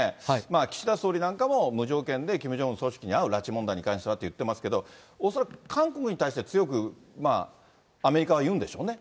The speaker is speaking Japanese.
岸田総理なんかも、無条件でキム・ジョンウン総書記に会う、拉致問題に関してはと言ってますけれども、恐らく、韓国に対しては強くアメリカは言うんでしょうね。